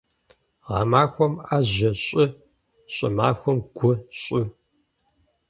Гъэмахуэм Ӏэжьэ щӀы, щӀымахуэм гу щӀы.